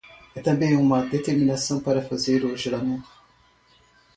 É também uma determinação para fazer o juramento